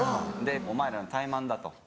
「お前らの怠慢だ」と。